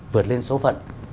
vượt lên số phận